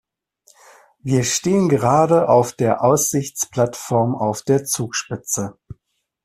Wir stehen gerade auf der Aussichtsplattform auf der Zugspitze.